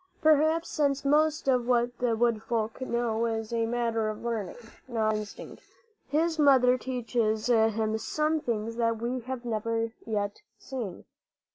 Perhaps since most of what the wood folk know is a matter of learning, not of instinct his mother teaches him some things that we have never yet seen.